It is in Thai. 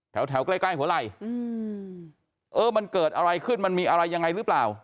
แถวใกล้ใกล้หัวไหล่เออมันเกิดอะไรขึ้นมันมีอะไรยังไงหรือเปล่า